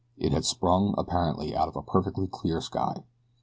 It had sprung, apparently, out of a perfectly clear sky.